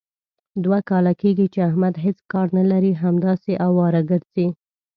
دوه کاله کېږي، چې احمد هېڅ کار نه لري. همداسې اواره ګرځي.